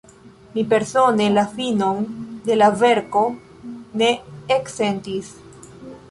Mi persone la finon de la verko ne eksentis.